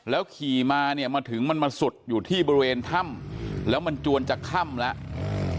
ขี่มาเนี่ยมาถึงมันมาสุดอยู่ที่บริเวณถ้ำแล้วมันจวนจะค่ำแล้ว